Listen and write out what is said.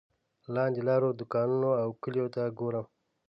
لاندې لارو دوکانونو او کلیو ته ګورم.